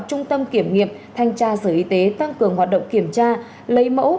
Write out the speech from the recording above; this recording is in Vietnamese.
trung tâm kiểm nghiệp thanh tra sở y tế tăng cường hoạt động kiểm tra lấy mẫu